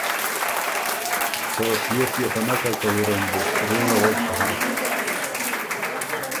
” څه ڒیوف يې خه نک هۀ که وُرم بُو، رُوںړه وک هۀ،